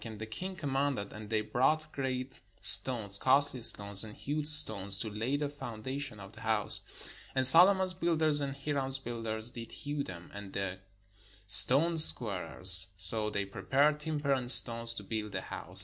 And the king commanded, and they brought great 564 THE STORY OF KING SOLOMON stones, costly stones, and hewed stones, to lay the foun dation of the house. And Solomon's builders and Hiram's builders did hew them, and the stoncsquarers : so they prepared timber and stones to build the house.